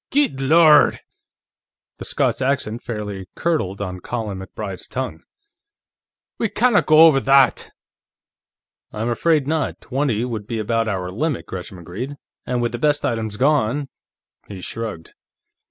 "Guid Lorrd!" The Scots accent fairly curdled on Colin MacBride's tongue. "We canna go over that!" "I'm afraid not; twenty would be about our limit," Gresham agreed. "And with the best items gone ..." He shrugged.